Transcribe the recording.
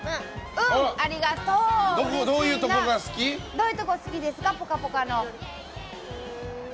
どういうところが好きですか「ぽかぽか」の。